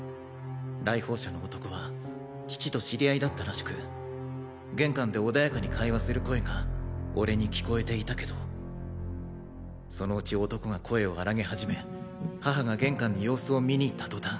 来訪者の男は父と知り合いだったらしく玄関で穏やかに会話する声が俺に聞こえていたけどその内男が声を荒げ始め母が玄関に様子を見に行った途端。